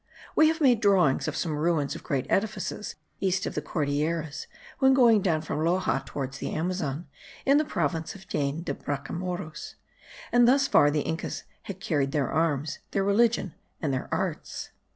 We have made drawings of some ruins of great edifices east of the Cordilleras, when going down from Loxa towards the Amazon, in the province of Jaen de Bracamoros; and thus far the Incas had carried their arms, their religion, and their arts.